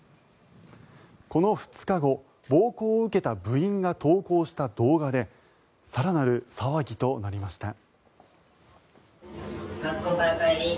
この２日後、暴行を受けた部員が投稿した動画で更なる騒ぎとなりました。